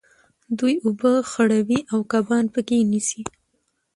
دوی اوبه خړوي او کبان په کې نیسي.